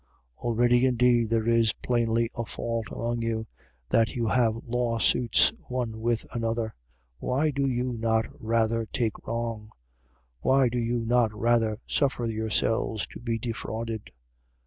Already indeed there is plainly a fault among you, that you have law suits one with another. Why do you not rather take wrong? Why do you not rather suffer yourselves to be defrauded?